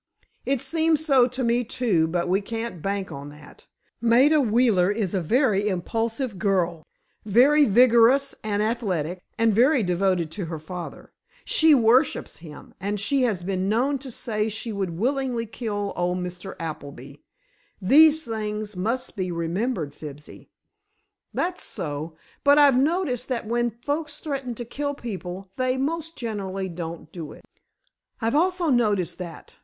"It seems so to me, too, but we can't bank on that. Maida Wheeler is a very impulsive girl, very vigorous and athletic, and very devoted to her father. She worships him, and she has been known to say she would willingly kill old Mr. Appleby. These things must be remembered, Fibsy." "That's so. But I've noticed that when folks threaten to kill people they most generally don't do it." "I've also noticed that.